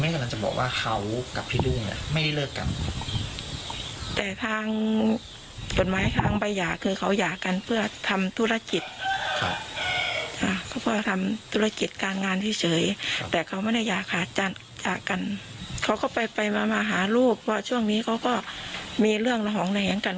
ก็ต้องหาลูกเพราะช่วงนี้เขาก็มีเรื่องอะไรอย่างนั้น